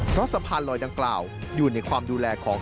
เพราะสะพานลอยดังกล่าวอยู่ในความดูแลของ